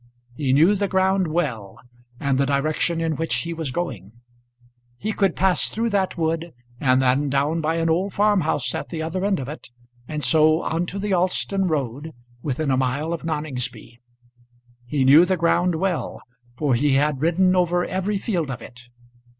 He knew the ground well, and the direction in which he was going. He could pass through that wood, and then down by an old farm house at the other end of it, and so on to the Alston road, within a mile of Noningsby. He knew the ground well, for he had ridden over every field of it.